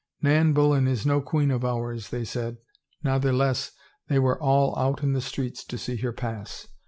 Nan Bullen is no queen of ours, they said, nathless they were all out in the streets to see her pass.